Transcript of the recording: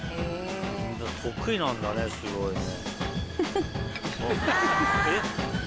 みんな得意なんだねすごいね。